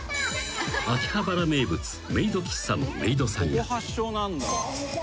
［秋葉原名物メイド喫茶のメイドさんや］